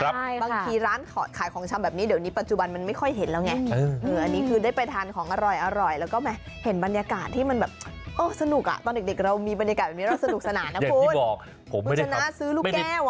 บางทีร้านขายของชำแบบนี้เดี๋ยวนี้ปัจจุบันมันไม่ค่อยเห็นแล้วไงอันนี้คือได้ไปทานของอร่อยแล้วก็เห็นบรรยากาศที่มันแบบโอ๊ยสนุกอะตอนเด็กเรามีบรรยากาศแบบนี้เราสนุกสนานนะคุณ